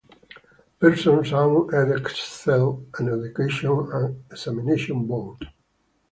Pearson owns Edexcel, an education and examination board.